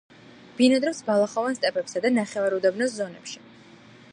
ბინადრობს ბალახოვან სტეპებსა და ნახევარუდაბნოს ზონებში.